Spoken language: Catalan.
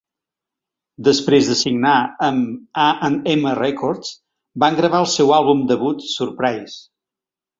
Després de signar amb A and M Records, van gravar el seu àlbum debut Surprise!